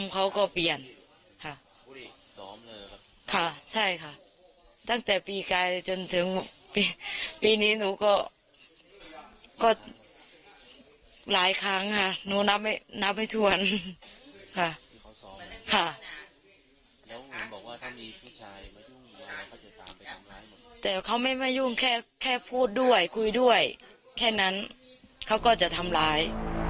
แต่เขาไม่มายุ่งแค่พูดด้วยคุยด้วยแค่นั้นเขาก็จะทำร้าย